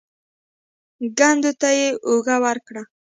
کندو ته يې اوږه ورکړه.